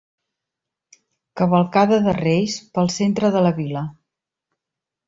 Cavalcada de Reis pel centre de la vila.